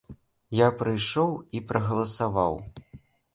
Я прыйшоў і прагаласаваў.